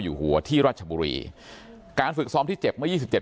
อยู่หัวที่ราชบุรีการฝึกซ้อมที่เจ็บเมื่อยี่สิบเจ็